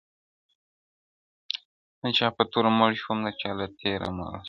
د چا پۀ توره مړ شؤم د چا لۀ تيــــــــره مړ يم